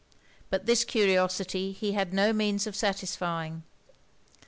But this curiosity he had no means of satisfying.